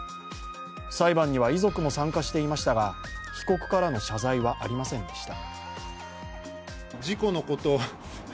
裁判には遺族も参加していましたが被告からの謝罪はありませんでした。